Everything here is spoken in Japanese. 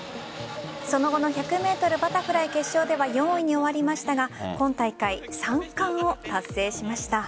その後の１００ｍバタフライ決勝では４位に終わりましたが今大会、３冠を達成しました。